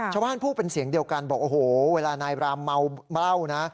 ชาวบ้านพูดเป็นเสียงเดียวกันบอกว่าโอ้โฮเวลานายรามเมานะ